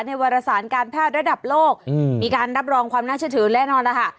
วารสารการแพทย์ระดับโลกมีการรับรองความน่าเชื่อถือแน่นอนนะคะ